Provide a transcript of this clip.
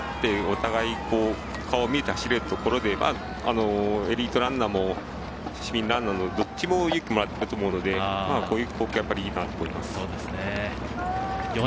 ここで、交わってお互い顔を見て走れるところでエリートランナーも市民ランナーのどちらも勇気をもらっていると思いますのでこういう光景はいいなと思います。